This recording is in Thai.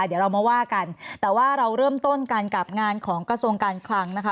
เดี๋ยวเรามาว่ากันแต่ว่าเราเริ่มต้นกันกับงานของกระทรวงการคลังนะคะ